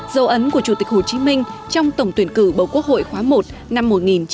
dấu ấn của chủ tịch hồ chí minh trong tổng tuyển cử bầu quốc hội khóa một năm một nghìn chín trăm bảy mươi năm